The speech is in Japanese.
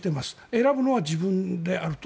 選ぶのは自分であると。